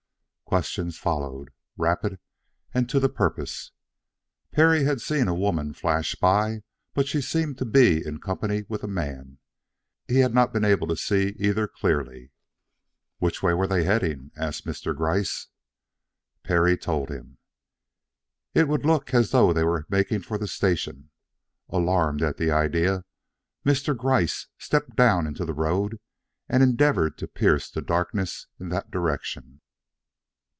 Questions followed, rapid and to the purpose. Perry had seen a woman flash by. But she seemed to be in company with a man. He had not been able to see either clearly. "Which way were they heading?" asked Mr. Gryce. Perry told him. It would look as though they were making for the station. Alarmed at the idea, Mr. Gryce stepped down into the road and endeavored to pierce the darkness in that direction.